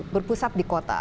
berpusat di kota